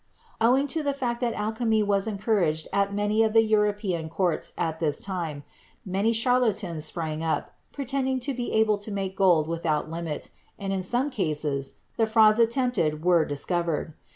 Owing to the fact that alchemy was encouraged at many of the European courts at this time, many charlatans sprang up, pretending to be able to make gold without limit, and in some cases the frauds attempted were dis covered.